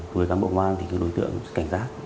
với cán bộ quan thì đối tượng cảnh sát